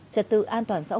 trật tự an toàn sở hữu